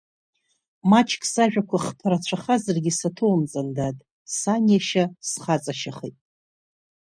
Маҷк сажәақәа хԥарацәахазаргьы саҭоумҵан, дад, саниашьа схаҵашьахеит!